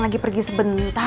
sudah diwakili sama orang tua